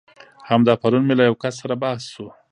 همدا پرون مې له يو کس سره بحث شو.